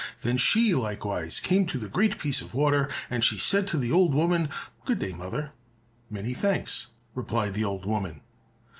Then she likewise came to the great piece of water, and she said to the old woman, "Good day, mother." "Many thanks," replied the old woman.